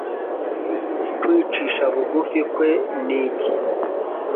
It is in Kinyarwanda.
kwicisha bugufi kwe ni iki